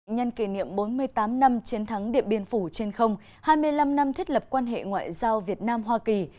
nhân kỷ niệm bốn mươi tám năm chiến thắng điện biên phủ trên không hai mươi năm năm thiết lập quan hệ ngoại giao việt nam hoa kỳ